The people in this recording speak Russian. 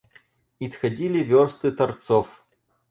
Исходили вёрсты торцов.